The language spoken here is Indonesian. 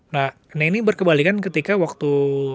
nah ini berkebalikan ketika waktu